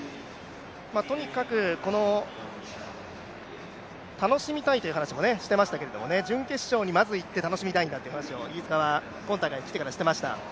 とにかく楽しみたいという話もしていましたけど準決勝にまず行って楽しみたいんだという話をしていました。